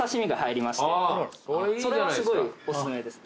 それはすごいお薦めです。